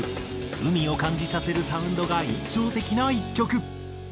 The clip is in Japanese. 海を感じさせるサウンドが印象的な１曲。